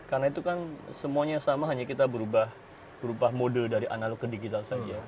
karena itu kan semuanya sama hanya kita berubah model dari analog ke digital saja